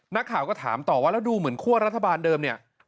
นักข่าวก็ถามต่อว่าแล้วดูเหมือนคั่วรัฐบาลเดิมเนี่ย